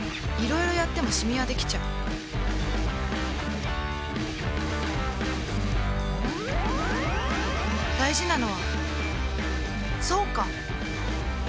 いろいろやってもシミはできちゃう大事なのはそうか！